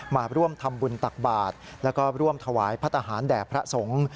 มาร่วมทำบุญตักบาทแล้วก็ร่วมถวายพระทหารแด่พระสงฆ์